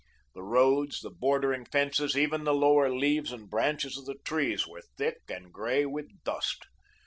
The roads, the bordering fences, even the lower leaves and branches of the trees, were thick and grey with dust.